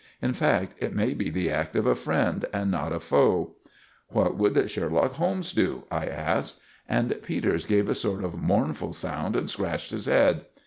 In fact, it may be the act of a friend, and not a foe." "What would Sherlock Holmes do?" I asked; and Peters gave a sort of mournful sound and scratched his head.